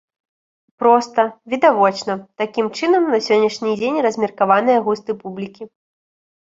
Проста, відавочна, такім чынам на сённяшні дзень размеркаваныя густы публікі.